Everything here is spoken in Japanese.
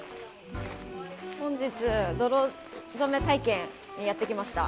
本日泥染め体験にやってきました。